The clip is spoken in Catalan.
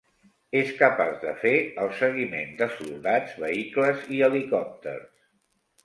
És capaç de fer el seguiment de soldats, vehicles i helicòpters.